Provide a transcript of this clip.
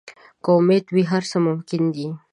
که امید وي، هر څه ممکن دي.